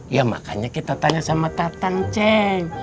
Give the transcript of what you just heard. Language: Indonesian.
ya makanya kita tanya sama tatang ceng